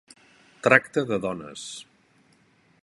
Tracta de dones.